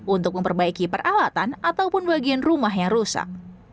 untuk memperbaiki peralatan ataupun bagian rumah yang rusak